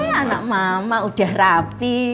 ini anak mama udah rapi